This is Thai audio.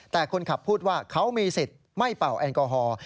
แต่คนขับพูดว่าเขามีสิทธิ์ไม่เป่าแอลกอฮอล์